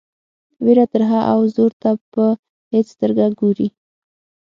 وېره ترهه او زور ته په هیڅ سترګه ګوري.